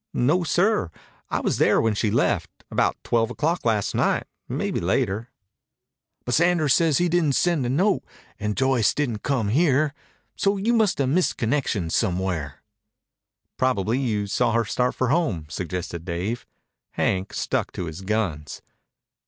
"No, sir. I was there when she left. About twelve o'clock last night, mebbe later." "But Sanders says he didn't send a note, and Joyce didn't come here. So you must 'a' missed connections somewhere." "Probably you saw her start for home," suggested Dave. Hank stuck to his guns.